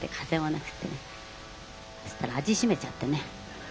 そしたら味しめちゃってね。